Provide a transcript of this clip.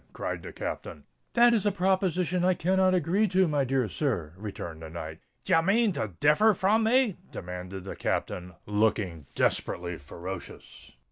cried the Captain. "That is a proposition I cannot agree to, my dear sir," returned the knight. "D' ye mane to differ from me?" demanded the Captain, looking desperately ferocious.